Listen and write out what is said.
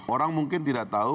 orang mungkin tidak tahu